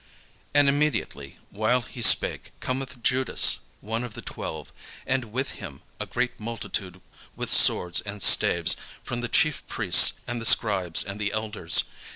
And immediately, while he yet spake, cometh Judas, one of the twelve, and with him a great multitude with swords and staves, from the chief priests and the scribes and the elders.